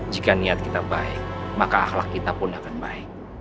jika niat kita baik maka akhlak kita pun akan baik